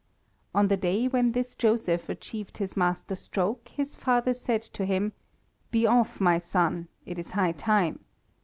On the day when this Joseph achieved his master stroke, his father said to him: "Be off, my son; it is high time.